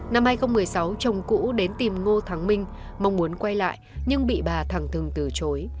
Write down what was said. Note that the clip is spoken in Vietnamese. năm hai nghìn một mươi sáu chồng cũ đến tìm ngô thắng minh mong muốn quay lại nhưng bị bà thẳng thừng từ chối